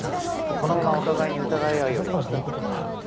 このままお互いに疑い合うよりマシだろ。